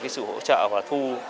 sự hỗ trợ và thu